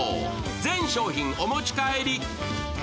全商品お持ち帰り。